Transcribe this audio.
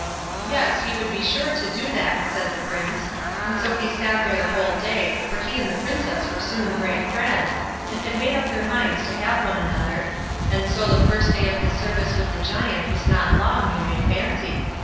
"Yes, he would be sure to do that", said the Prince; and so he sat there the whole day, for he and the Princess were soon great friends, and had made up their minds to have one another, and so the first day of his service with the Giant was not long, you may fancy.